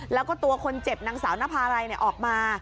แล้วก็ตัวคนเจ็บนางสาวนภารัยออกมา